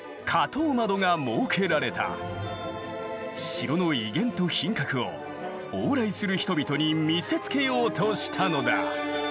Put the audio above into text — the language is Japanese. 城の威厳と品格を往来する人々に見せつけようとしたのだ。